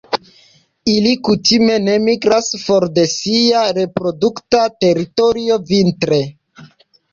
Ili kutime ne migras for de sia reprodukta teritorio vintre.